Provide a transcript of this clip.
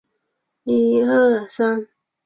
跟他们坐同路线